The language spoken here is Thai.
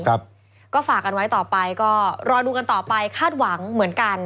ก็ฝากกันไว้ต่อไปก็รอดูกันต่อไปคาดหวังเหมือนกัน